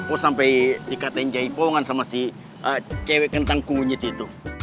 oh sampai dikatakan jaipongan sama si cewek kentang kunyit itu